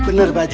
bener pak aji